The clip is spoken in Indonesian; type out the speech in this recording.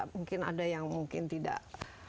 mungkin ada yang mungkin tidak